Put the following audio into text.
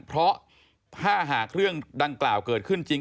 เพราะถ้าหากเรื่องดังกล่าวเกิดขึ้นจริง